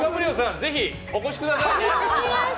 ぜひお越しください！